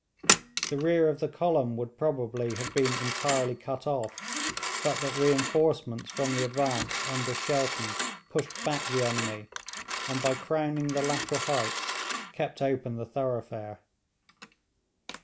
The rear of the column would probably have been entirely cut off, but that reinforcements from the advance under Shelton pushed back the enemy, and by crowning the lateral heights kept open the thoroughfare.